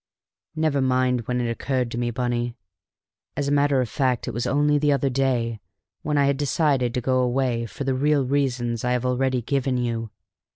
"Never mind when it occurred to me, Bunny; as a matter of fact, it was only the other day, when I had decided to go away for the real reasons I have already given you.